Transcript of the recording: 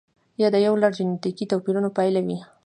یا د یو لړ جنتیکي توپیرونو پایله وي.